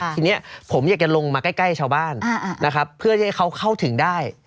ทีนี้ผมอยากจะลงมาใกล้ชาวบ้านนะครับเพื่อจะให้เขาเข้าถึงได้